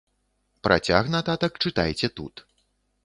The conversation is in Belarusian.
Працяг нататак чытайце тут.